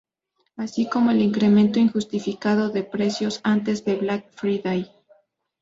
Asi como el incremento injustificado de precios antes del Black Friday.